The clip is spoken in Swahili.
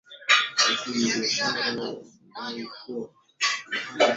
faida gani za kiafya zinatokana na viazi lishe